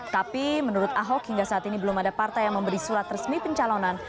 tapi menurut ahok hingga saat ini belum ada partai yang memberi surat resmi pencalonan